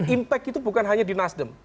impact itu bukan hanya di nasdem